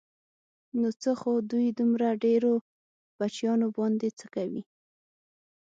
نو څه خو دوی دومره ډېرو بچیانو باندې څه کوي.